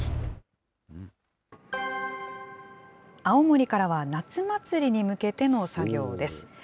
青森からは夏祭りに向けての作業です。